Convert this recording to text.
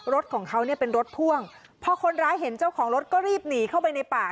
รถของเขาเนี่ยเป็นรถพ่วงพอคนร้ายเห็นเจ้าของรถก็รีบหนีเข้าไปในป่า